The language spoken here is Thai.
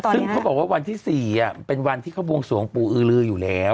เค้าบอกว่าวันที่สี่เป็นวันที่เขาบวงศูองย์ปูอื้อรืออยู่แล้ว